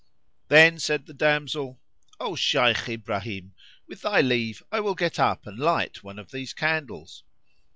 Then said the damsel, "O Shaykh Ibrahim, with thy leave I will get up and light one of these candles."